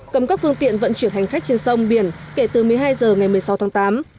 cấm các phương tiện vận chuyển hành khách trên sông biển kể từ một mươi hai h ngày một mươi sáu tháng tám